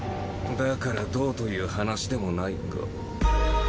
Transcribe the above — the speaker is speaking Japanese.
だからどうという話でもないが。